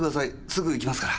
すぐ行きますから。